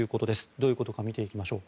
どういうことか見ていきましょう。